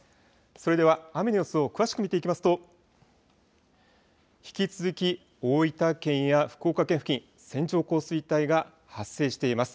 それでは雨の様子を詳しく見ていきますと、引き続き大分県や福岡県付近、線状降水帯が発生しています。